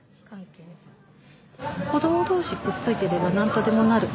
子ども同士くっついてれば何とでもなる。